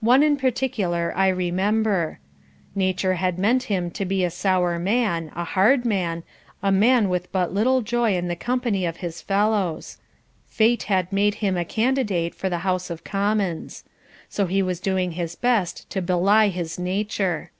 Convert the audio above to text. One, in particular, I remember. Nature had meant him to be a sour man, a hard man, a man with but little joy in the company of his fellows. Fate had made him a candidate for the House of Commons. So he was doing his best to belie his nature.